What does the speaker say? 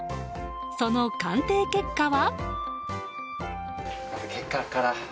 その鑑定結果は。